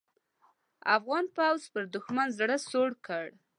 افغان پوځ پر دوښمن زړه سوړ کړ.